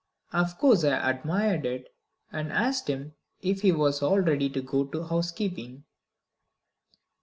Of course I admired it, and asked him if he was all ready to go to housekeeping.